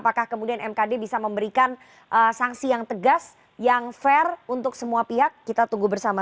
apakah kemudian mkd bisa memberikan sanksi yang tegas yang fair untuk semua pihak kita tunggu bersama